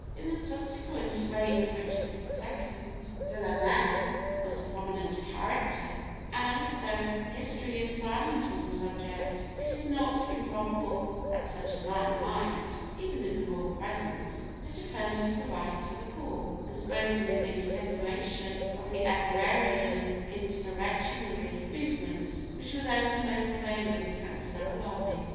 In the subsequent reign of Richard II, De In Mare was a prominent character, and though history is silent on the subject, it is not improbable that such a man might, even in the royal presence, have defended the rights of the poor, and spoken in extenuation of the agrarian insurrectionary movements which were then so prevalent and so alarming.